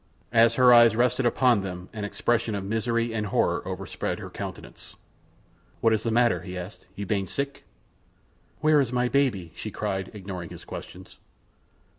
As her eyes rested upon them an expression of misery and horror overspread her countenance. "What is the matter?" he asked. "You ban sick?" "Where is my baby?" she cried, ignoring his questions.